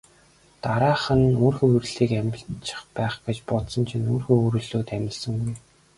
Дараа нь үр хөврөл амилчих байх гэж бодсон чинь үр хөврөлүүд амилсангүй.